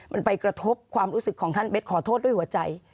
มันไปกระทบความรู้สึกของท่านเบ็ดขอโทษด้วยหัวใจ